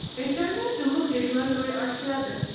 انټرنيټ زموږ د ژوند لویه اړتیا ده.